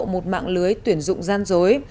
một mạng lưới tuyển dụng gian dối